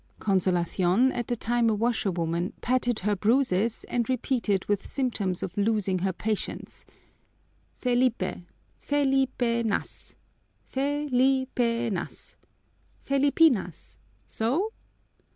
Consolacion, at that time a washerwoman, patted her bruises and repeated with symptoms of losing her patience, "Fe li pe, Felipe nas, Fe li pe nas, Felipinas, so?"